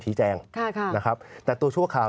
แจ้งนะครับแต่ตัวชั่วคราว